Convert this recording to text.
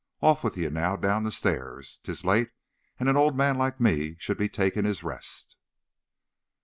Off wid yez down the shtairs, now! 'Tis late, and an ould man like me should be takin' his rest."